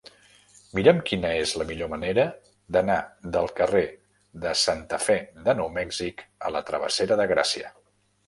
Mira'm quina és la millor manera d'anar del carrer de Santa Fe de Nou Mèxic a la travessera de Gràcia.